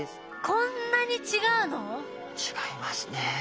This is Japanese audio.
こんなに違うの？違いますね。